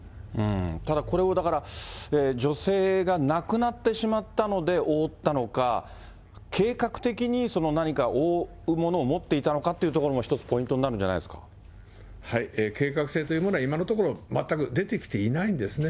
ただこれをだから、女性が亡くなってしまったので覆ったのか、計画的に何か覆うものを持っていたのかというところも一つ、ポイ計画性というものは、今のところ全く出てきていないんですね。